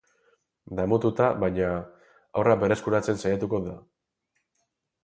Damututa, baina, haurra berreskuratzen saiatuko da.